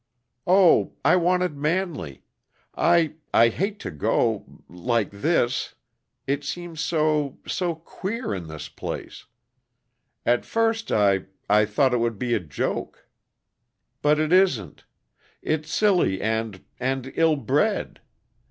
"Oh I wanted Manley. I I hate to go like this, it seems so so queer, in this place. At first I I thought it would be a joke, but it isn't; it's silly and, and ill bred.